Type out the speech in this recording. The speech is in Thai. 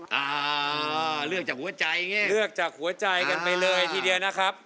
อ่าเลือกจากหัวใจไงเลือกจากหัวใจกันไปเลยทีเดียวนะครับ